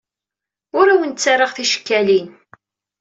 Ur awen-ttarraɣ ticekkalin.